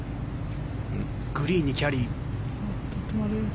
グリーンにキャリー。